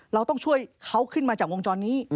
เราต้องช่วยเขาขึ้นมาจากวงจรนี้